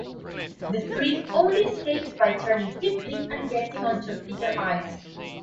The three only escaped by turning quickly and getting onto thicker ice.